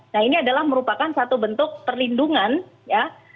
nah ini adalah merupakan satu bentuk perlindungan ya